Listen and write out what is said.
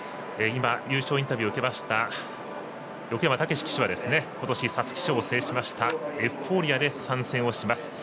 優勝インタビューを受けました横山武史騎手はことし皐月賞を制しましたエフフォーリアで参戦をします。